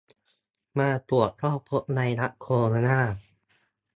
มาตรวจก็พบไวรัสโคโรนา